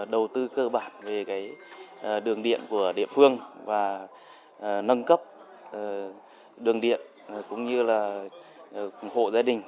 đầu tư cơ bản về đường điện của địa phương và nâng cấp đường điện cũng như là hộ gia đình